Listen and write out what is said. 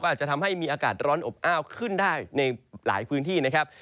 อาจจะทำให้มีอากาศร้อนอบอ้าวขึ้นได้ในหลายพื้นที่นะครับ